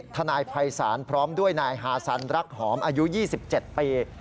ทนายภัยศาลพร้อมด้วยนายฮาซันรักหอมอายุ๒๗ปี